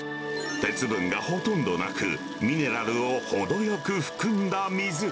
鉄分がほとんどなく、ミネラルを程よく含んだ水。